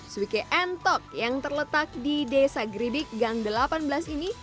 suike entok yang terletak di desa geribik gang delapan belas ini